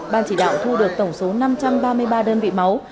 ban chỉ đạo thu được tổng số năm trăm ba mươi ba đơn vị máu